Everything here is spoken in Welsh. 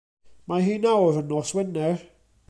Mae hi nawr yn nos Wener.